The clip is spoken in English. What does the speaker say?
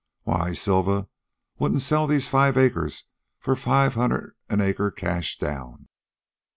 Why, Silva wouldn't sell these five acres for five hundred an acre cash down.